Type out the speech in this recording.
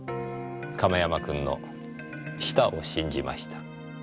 亀山くんの舌を信じました。